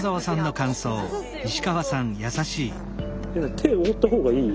手を覆ったほうがいい？